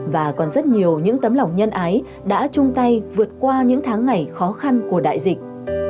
và còn rất nhiều những tấm lòng nhân ái đã chung tay vượt qua những tháng ngày khó khăn của đại dịch